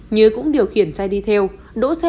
nhớ cũng điều khiển chai đi theo